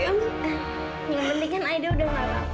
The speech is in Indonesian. yang penting kan aida udah nggak apa apa bu